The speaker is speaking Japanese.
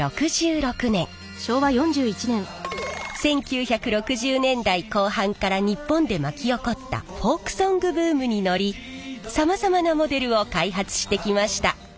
１９６０年代後半から日本で巻き起こったフォークソングブームに乗りさまざまなモデルを開発してきました。